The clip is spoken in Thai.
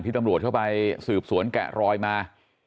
ตำรวจเข้าไปสืบสวนแกะรอยมา